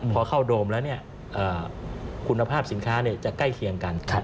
พอเข้าโดมแล้วคุณภาพสินค้าจะใกล้เคียงกัน